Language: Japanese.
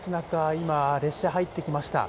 今、列車は入ってきました。